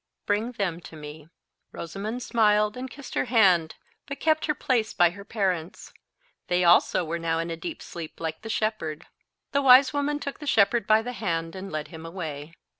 Bring them to me." Rosamond smiled and kissed her hand, but kept her place by her parents. They also were now in a deep sleep like the shepherd. The wise woman took the shepherd by the hand, and led him away.